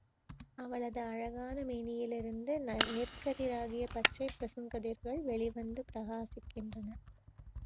அவளது அழகான மேனியிலிருந்து நெற்கதிராகிய பச்சைப் பசுங்கதிர்கள் வெளிவந்து பிரகாசிக்கின்றன.